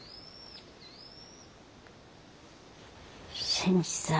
新次さん